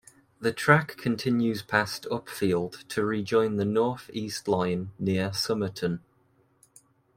The track continues past Upfield to rejoin the North East line near Somerton.